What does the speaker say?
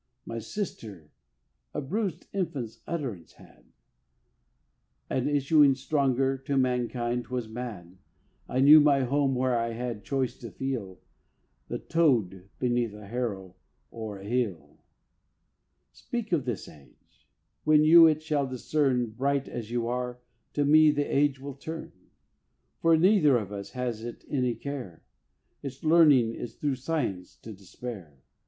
My sister a bruised infant's utterance had; And issuing stronger, to mankind 'twas mad. I knew my home where I had choice to feel The toad beneath a harrow or a heel. Speak of this Age. When you it shall discern Bright as you are, to me the Age will turn. For neither of us has it any care; Its learning is through Science to despair.